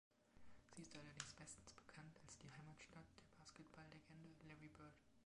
Sie ist allerdings bestens bekannt als die Heimatstadt der Basketballlegende Larry Bird.